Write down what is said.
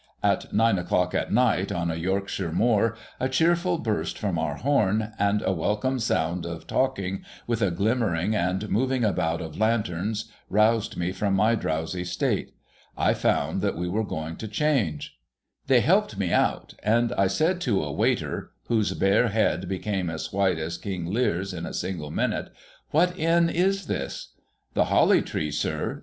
At nine o'clock at night, on a Yorkshire moor, a cheerful burst from our horn, and a welcome sound of talking, with a glimmering and moving about of lanterns, roused me from my drowsy state. I found that we were going to change. They helped me out, and I said to a waiter, whose bare head became as white as King Lear's in a single minute, ' What Inn is this ?'' The Holly Tree, sir